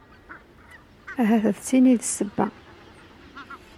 Ahat d tin i d ssebba.